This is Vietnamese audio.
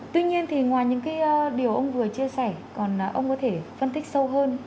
tuy nhiên thì ngoài những điều ông vừa chia sẻ còn ông có thể phân tích sâu hơn